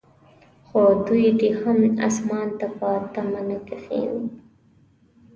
خو دوی دې هم اسمان ته په تمه نه کښیني.